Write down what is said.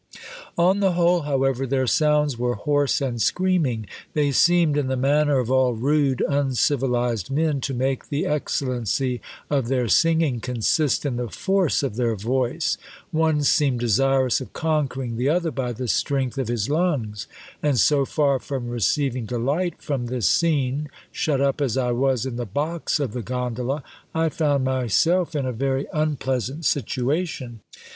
On the whole, however, their sounds were hoarse and screaming: they seemed, in the manner of all rude uncivilised men, to make the excellency of their singing consist in the force of their voice: one seemed desirous of conquering the other by the strength of his lungs, and so far from receiving delight from this scene (shut up as I was in the box of the gondola), I found myself in a very unpleasant situation.